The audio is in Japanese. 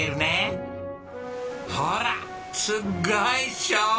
ほーらすっごいっしょ。